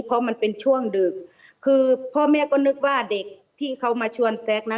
เพราะมันเป็นช่วงดึกคือพ่อแม่ก็นึกว่าเด็กที่เขามาชวนแซ็กนะ